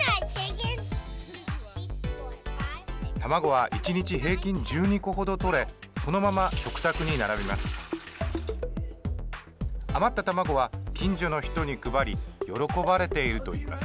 卵は１日平均１２個程とれそのまま食卓に並びます。